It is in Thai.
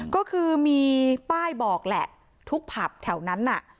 ก็คือมีป้ายบอกแหละทุกผับแถวนั้นน่ะ